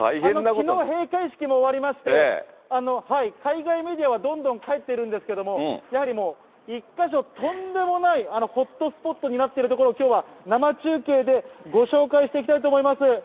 きのう閉会式も終わりまして、海外メディアは、どんどん帰ってるんですけども、やはり１か所、とんでもないホットスポットになっている所をきょうは生中継でご紹介していきたいと思います。